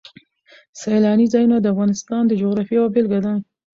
سیلاني ځایونه د افغانستان د جغرافیې یوه بېلګه ده.